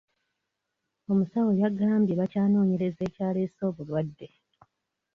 Omusawo yagambye bakyanoonyereza ekyaleese obulwadde.